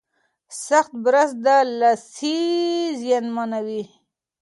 سخت برس د لثې زیانمنوي.